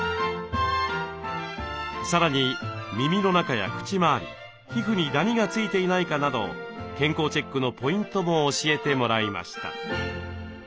さらに耳の中や口周り皮膚にダニが付いていないかなど健康チェックのポイントも教えてもらいました。